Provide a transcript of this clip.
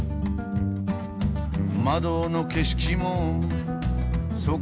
「窓の景色もそこそこに」